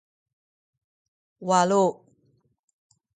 walu